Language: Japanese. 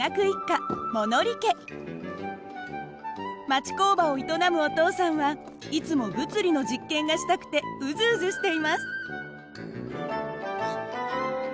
町工場を営むお父さんはいつも物理の実験がしたくてうずうずしています。